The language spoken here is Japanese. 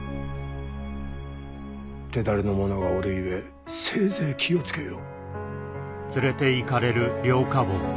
手練れの者がおるゆえせいぜい気を付けよ。